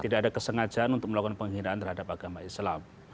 tidak ada kesengajaan untuk melakukan penghinaan terhadap agama islam